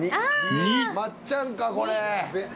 ［２］まっちゃんかこれ。